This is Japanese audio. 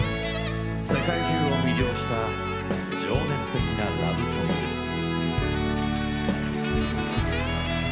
世界中を魅了した情熱的なラブソングです。